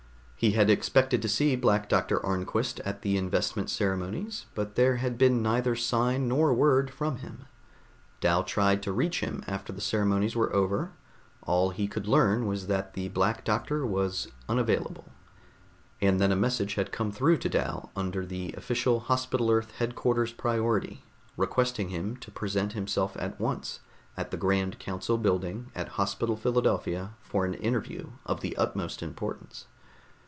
He had expected to see Black Doctor Arnquist at the investment ceremonies, but there had been neither sign nor word from him. Dal tried to reach him after the ceremonies were over; all he could learn was that the Black Doctor was unavailable. And then a message had come through to Dal under the official Hospital Earth headquarters priority, requesting him to present himself at once at the grand council building at Hospital Philadelphia for an interview of the utmost importance.